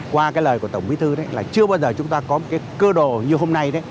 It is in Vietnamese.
qua cái lời của tổng bí thư là chưa bao giờ chúng ta có một cái cơ đồ như hôm nay đấy